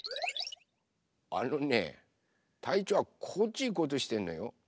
あのねたいちょうはこっちいこうとしてんのよ。